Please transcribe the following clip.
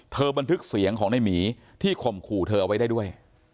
บันทึกเสียงของในหมีที่ข่มขู่เธอเอาไว้ได้ด้วย